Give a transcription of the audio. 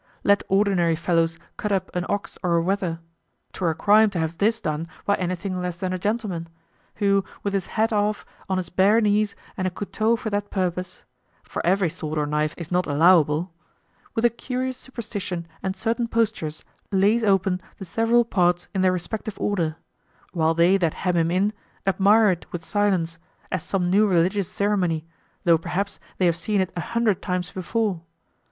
Let ordinary fellows cut up an ox or a wether, 'twere a crime to have this done by anything less than a gentleman! who with his hat off, on his bare knees, and a couteau for that purpose (for every sword or knife is not allowable), with a curious superstition and certain postures, lays open the several parts in their respective order; while they that hem him in admire it with silence, as some new religious ceremony, though perhaps they have seen it a hundred times before.